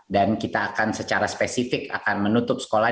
dan kita akan secara spesifik akan menutup sekolah